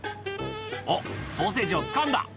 おっ、ソーセージをつかんだ。